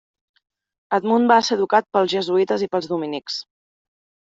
Edmund va ser educat pels jesuïtes i pels dominics.